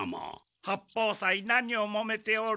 八方斎何をもめておる？